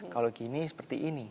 kalau gini seperti ini